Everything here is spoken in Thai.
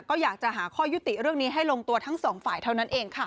ก็อยากจะหาข้อยุติเรื่องนี้ให้ลงตัวทั้งสองฝ่ายเท่านั้นเองค่ะ